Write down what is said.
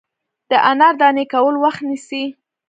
د انار دانې کول وخت نیسي.